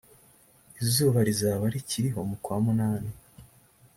izuba rizaba rikiriho mukwa munani.